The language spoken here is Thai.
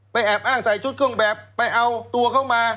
แอบอ้างใส่ชุดเครื่องแบบไปเอาตัวเขามา